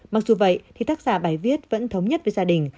mặc dù vậy thì tác giả bài viết vẫn thống nhất với gia đình